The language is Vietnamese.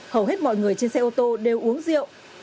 hầu hết mọi người trên xe ô tô đều uống rượu